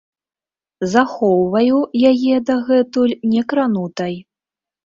Захоўваю яе дагэтуль некранутай.